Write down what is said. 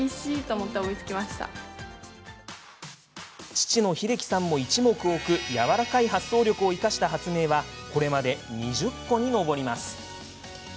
父の英樹さんも一目置くやわらかい発想力を生かした発明はこれまでに２０個に上ります。